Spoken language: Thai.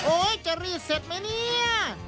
จะรีดเสร็จไหมเนี่ย